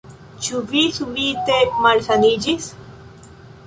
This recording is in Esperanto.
Ĉu vi subite malsaniĝis?